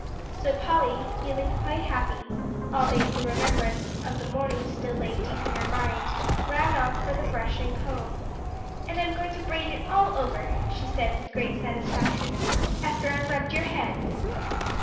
So Polly, feeling quite happy, albeit the remembrance of the morning still lay deep in her mind, ran off for the brush and comb. "And I'm going to braid it all over," she said with great satisfaction, "after I've rubbed your head."